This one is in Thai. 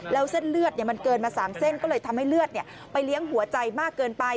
แล้วเส้นเลือดมันเกินมา๓เส้นก็เลยทำให้เลือดไปเลี้ยงหัวใจมากเกินไป